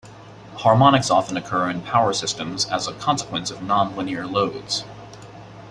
Harmonics often occur in power systems as a consequence of non-linear loads.